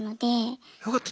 よかった。